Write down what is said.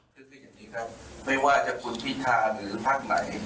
คืออย่างนี้ครับไม่ว่าจะคุณพิธาหรือพักไหน